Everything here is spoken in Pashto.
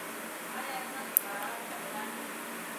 ایا ستاسو برات به اعلان نه شي؟